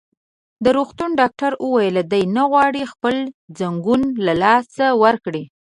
د روغتون ډاکټر وویل: دی نه غواړي خپل ځنګون له لاسه ورکړي.